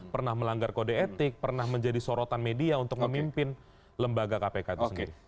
pernah melanggar kode etik pernah menjadi sorotan media untuk memimpin lembaga kpk itu sendiri